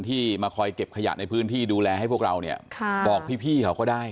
ที่มาคอยเก็บขยะในพื้นที่ดูแลให้พวกเราเนี่ยบอกพี่เขาก็ได้